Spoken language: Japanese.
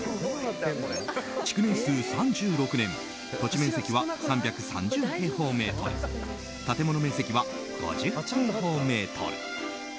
築年数３６年土地面積は３３０平方メートル建物面積は５０平方メートル。